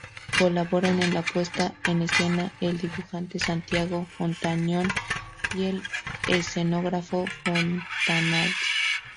Colaboraron en la puesta en escena el dibujante Santiago Ontañón y el escenógrafo Fontanals.